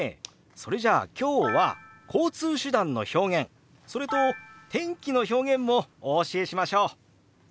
それじゃあ今日は交通手段の表現それと天気の表現もお教えしましょう！